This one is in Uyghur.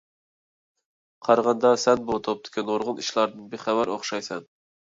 قارىغاندا سەن بۇ توپتىكى نۇرغۇن ئىشلاردىن بىخەۋەر ئوخشايسەن.